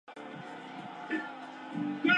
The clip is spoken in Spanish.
Son de piedra con el tejado de pizarra.